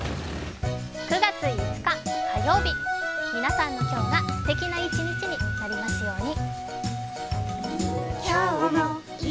９月５日火曜日、皆さんの今日がすてきな一日になりますように。